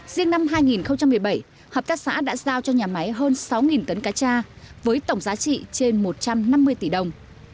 riêng năm hai nghìn một mươi bảy hợp tác xã đã giao cho nhà máy hơn sáu tấn cá cha với tổng giá trị trên một trăm năm mươi tỷ đồng